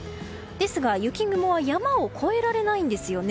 ですが雪雲は山を越えられないんですよね。